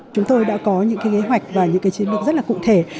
chúng tôi đã có những kế hoạch và những chiến lược rất cụ thể